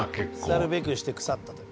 腐るべくして腐ったと。